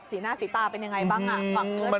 สีหน้าสีตาเป็นอย่างไรบ้างฝั่งเพื่อไทย